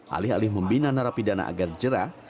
alih alih membina narapidana agar jerah